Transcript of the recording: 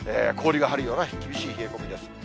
氷が張るような厳しい冷え込みです。